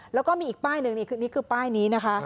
แล้วก็มีอีกป้ายหนึ่งคลิปนี้คือป้ายนี้นะคะ